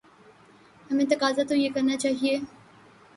ہمیں تقاضا تو یہ کرنا چاہیے۔